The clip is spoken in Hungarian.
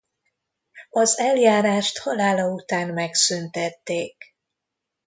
Az eljárást halála után megszüntették.